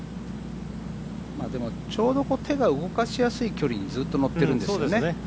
でもちょうど手が動かしやすい距離にずっと乗ってるんですよね。